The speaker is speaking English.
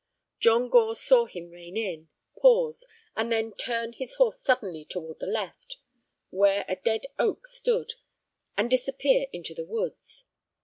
John Gore saw him rein in, pause, and then turn his horse suddenly toward the left, where a dead oak stood, and disappear into the woods.